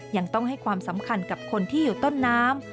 ยังต้องให้ความสำคัญกับคนที่อยู่ต้นน้ำ